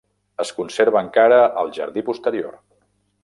Es conserva encara al jardí posterior.